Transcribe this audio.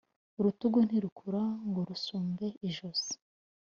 urutugu ntirukua ngo rusumbe ijosi